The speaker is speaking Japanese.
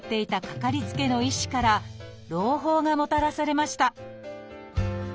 かかりつけの医師から朗報がもたらされました。